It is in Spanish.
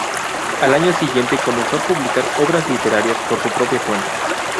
Al año siguiente comenzó a publicar obras literarias por su propia cuenta.